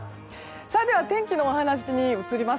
では、天気のお話に移ります。